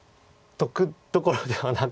得どころではなく。